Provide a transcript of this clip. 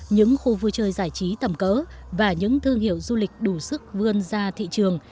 những khu vui chơi giải trí tầm cỡ và những thương hiệu du lịch đủ sức vươn ra thị trường